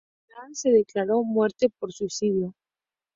Al final se declaró muerte por suicidio.